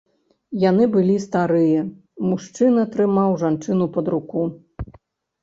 Яны былі старыя, мужчына трымаў жанчыну пад руку.